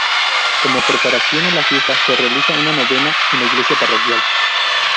Como preparación a la fiesta, se realiza una novena en la iglesia parroquial.